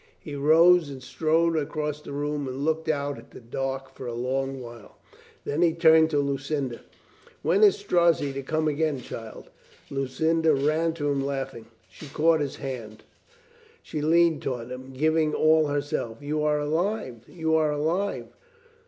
He rose and strode across the room and looked out at the dark a long while. Then he turned to Lucinda. "When is Strozzi to come again, child?" Lucinda ran to him laughing. She caught his hands, she leaned toward him, giving all herself. "You are alive! You are alive!"